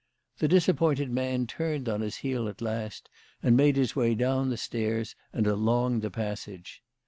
The disappointed man turned on his heel at last, and made his way down the stairs and along the passage.